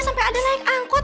sampai aden naik angkot